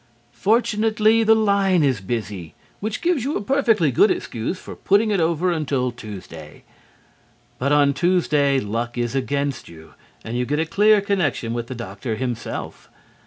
Fortunately the line is busy, which gives you a perfectly good excuse for putting it over until Tuesday. But on Tuesday luck is against you and you get a clear connection with the doctor himself.